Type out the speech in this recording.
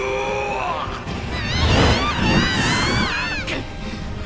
くっ！！